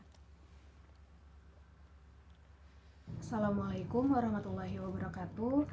assalamualaikum warahmatullahi wabarakatuh